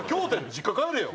実家帰れよ！